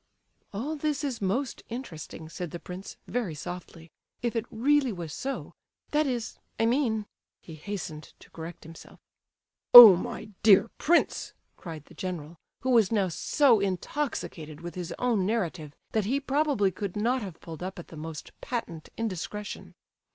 "All this is most interesting," said the prince, very softly, "if it really was so—that is, I mean—" he hastened to correct himself. "Oh, my dear prince," cried the general, who was now so intoxicated with his own narrative that he probably could not have pulled up at the most patent indiscretion.